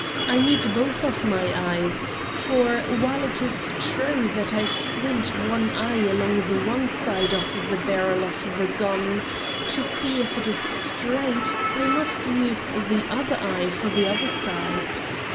I need both of my eyes; for while it is true that I squint one eye along one side of the barrel of the gun, to see if it is straight, I must use the other eye for the other side.